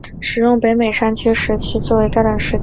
使用北美山区时区作为标准时间。